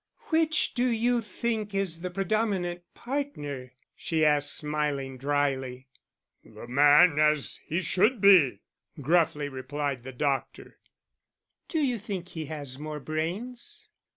"Which do you think is the predominant partner?" she asked, smiling drily. "The man, as he should be," gruffly replied the doctor. "Do you think he has more brains?"